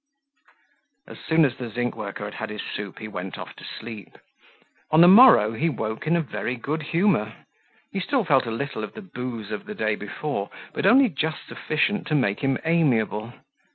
As soon as the zinc worker had had his soup he went off to sleep. On the morrow he awoke in a very good humor. He still felt a little of the booze of the day before but only just sufficient to make him amiable.